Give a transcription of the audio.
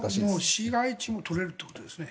市街地も取れるということですね。